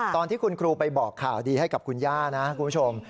ตอนที่คุณครูไปบอกข่าวดีให้กับคุณย่านะคุณผู้ชม